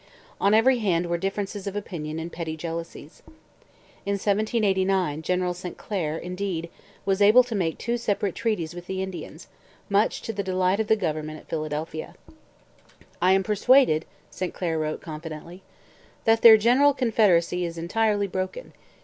On every hand were differences of opinion and petty jealousies. In 1789 General St Clair, indeed, was able to make two separate treaties with the Indians, much to the delight of the government at Philadelphia. 'I am persuaded,' St Clair wrote confidently, '[that] their general confederacy is entirely broken.